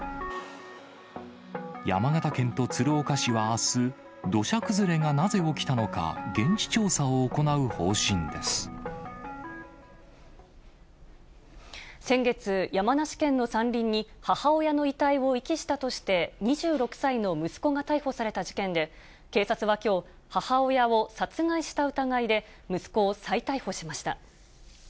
山形県と鶴岡市はあす、土砂崩れがなぜ起きたのか、現地調査を行先月、山梨県の山林に母親の遺体を遺棄したとして、２６歳の息子が逮捕された事件で、警察はきょう、母親を殺害した疑いで、息子を再逮捕しました。